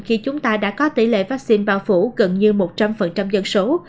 khi chúng ta đã có tỷ lệ vaccine bao phủ gần như một trăm linh dân số